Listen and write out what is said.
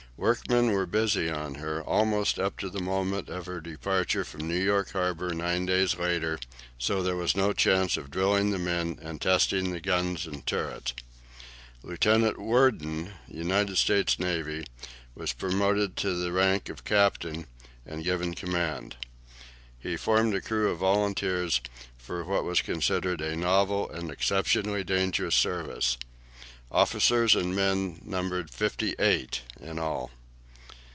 Workmen were busy on her almost up to the moment of her departure from New York harbour nine days later, so there was no chance of drilling the men and testing the guns and turret. Lieutenant Worden, United States Navy, was promoted to the rank of captain and given command. He formed a crew of volunteers for what was considered a novel and exceptionally dangerous service. Officers and men numbered fifty eight in all.